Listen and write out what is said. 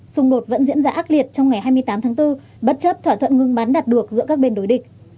xung đột vẫn diễn ra ác liệt trong ngày hai mươi tám tháng bốn bất chấp thỏa thuận ngừng bắn đạt được giữa các bên đối địch